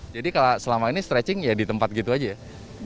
jadi kalau selama ini stretching ya di tempat gitu aja ya